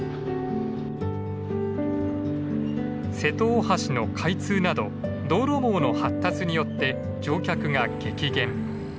瀬戸大橋の開通など道路網の発達によって乗客が激減。